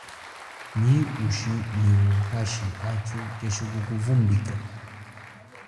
Nyi ushi nyi uhashi athu keshi kukuvumbika.